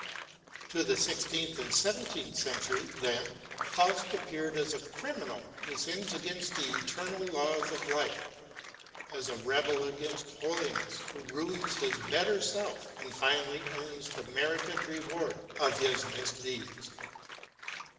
To the sixteenth and seventeenth centuries, then, Faust appeared as a criminal who sins against the eternal laws of life, as a rebel against holiness who ruins his better self and finally earns the merited reward of his misdeeds.